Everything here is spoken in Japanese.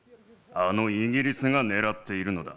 あのイギリスが狙っているのだ。